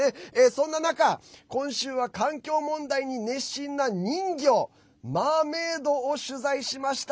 そんな中、今週は環境問題に熱心な人魚マーメードを取材しました。